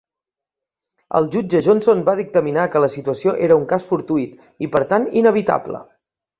El jutge Johnson va dictaminar que la situació era un cas fortuït i, per tant, inevitable.